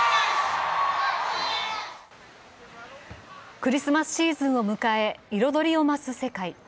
クリスマスシーズンを迎え彩りを増す世界。